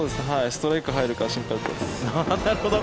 ストライク入るか心配だったです。